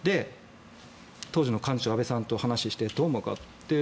当時の幹事長安倍さんとお話してどう思うかと。